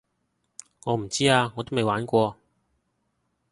我唔知啊我都未玩過